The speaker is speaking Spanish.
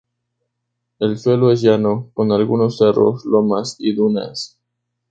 El suelo es llano, con algunos cerros, lomas y dunas.